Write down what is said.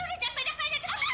udah jangan banyak nanya